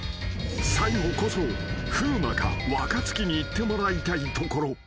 ［最後こそ風磨か若槻に行ってもらいたいところ］